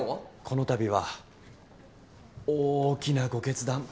この度は大きなご決断